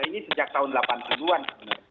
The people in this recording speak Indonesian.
ini sejak tahun delapan puluh an